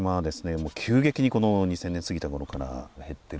もう急激にこの２０００年を過ぎた頃から減ってる。